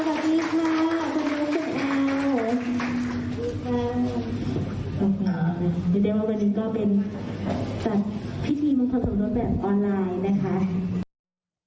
สวัสดีค่ะจัดพิธีตัดงานแบบออนไลน์นะคะ